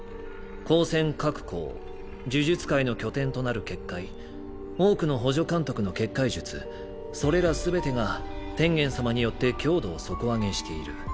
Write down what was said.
高専各校呪術会の拠点となる結界多くの補助監督の結界術それら全てが天元様によって強度を底上げしている。